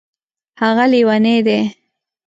هغه لیونی دی